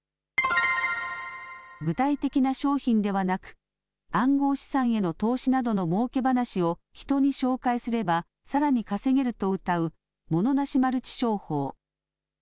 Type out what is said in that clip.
具体的な商品ではなく暗号資産への投資などのもうけ話を人に紹介すればさらに稼げるとうたうモノなしマルチ商法。